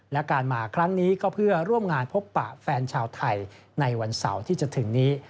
และการมาครั้งนี้ก็เพื่อร่วมงานพบปะแฟนชาวไทยในวันเสาร์ที่จะถึงนี้